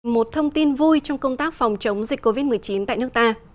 một thông tin vui trong công tác phòng chống dịch covid một mươi chín tại nước ta